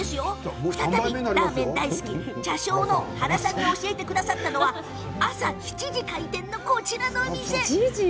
再びラーメン大好き茶匠の原さんが教えてくださったのは朝７時開店のこちらのお店。